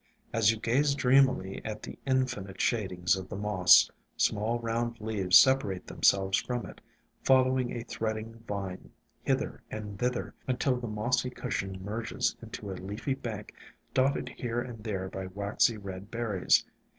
As you gaze dreamily at the infinite shadings of the moss, small round leaves separate themselves from it, following a threading vine hither and thither until the mossy cushion merges into a leafy bank dotted here and there by waxy red berries.